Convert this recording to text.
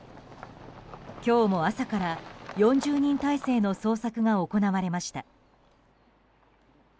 今日も朝から４０人態勢の捜索が行われました。